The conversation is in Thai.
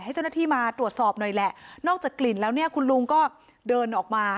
ให้เจ้าหน้าที่มาตรวจสอบหน่อยแหละนอกจากกลิ่นแล้วเนี่ยคุณลุงก็เดินออกมา